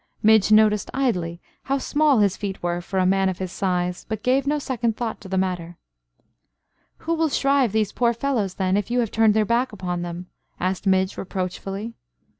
Midge noticed idly how small his feet were for a man of his size, but gave no second thought to the matter. "Who will shrive these poor fellows, then, if you have turned your back upon them?" asked Midge, reproachfully.